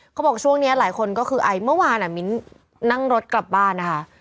เขาบอกช่วงนี้หลายคนก็คือไอเมื่อวานมิ้นนั่งรถกลับบ้านนะคะ